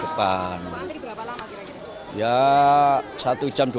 kepala antri berapa lama kira kira